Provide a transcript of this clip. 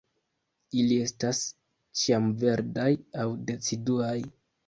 Ili estas ĉiamverdaj aŭ deciduaj.